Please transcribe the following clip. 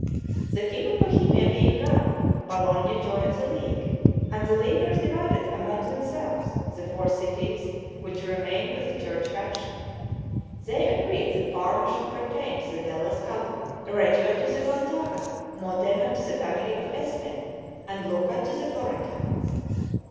The king of Bohemia being gone, Bologna joined the league; and the leaguers divided among themselves the four cities which remained of the church faction. They agreed that Parma should pertain to the Della Scalla; Reggio to the Gonzaga; Modena to the family of Este, and Lucca to the Florentines.